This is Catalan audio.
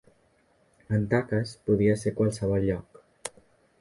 En Taques podia ser a qualsevol lloc.